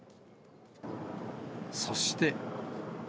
そして。